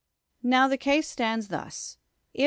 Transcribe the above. Now the case stands thus. If.